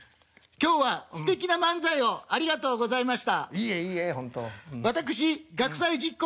今日はすてきな漫才をありがとうございました」。